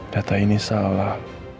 data ini salah